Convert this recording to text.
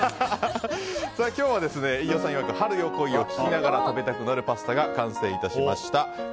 今日は、飯尾さんいわく「春よ、来い」を聴きながら食べたくなるパスタが完成いたしました。